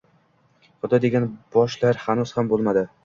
Xudo degan boshlar hanuz xam boʼlmadi.